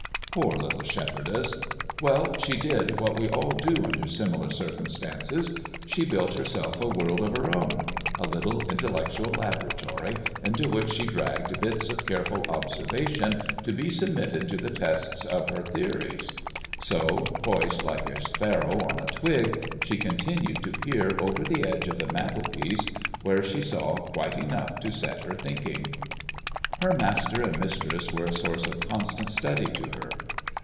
Poor little shepherdess! Well, she did what we all do under similar circumstances. She built herself a world of her own, a little intellectual laboratory into which she dragged bits of careful observation to be submitted to the tests of her theories. So, poised like a sparrow on a twig, she continued to peer over the edge of the mantel piece, where she saw quite enough to set her thinking. Her master and mistress were a source of constant study to her.